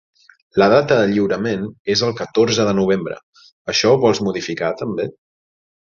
La data de lliurament és el catorze de novembre, això ho vols modificar també?